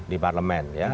di parlemen ya